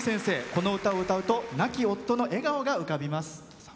この歌を歌うと亡き夫の笑顔が浮かびます。